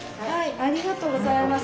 ありがとうございます。